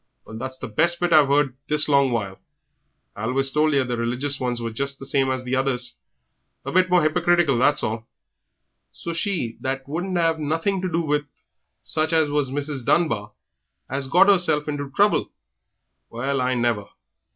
Well, that's the best bit I've heard this long while. I always told ye that the religious ones were just the same as the others a bit more hypocritical, that's all. So she that wouldn't 'ave nothing to do with such as was Mrs. Dunbar 'as got 'erself into trouble! Well I never!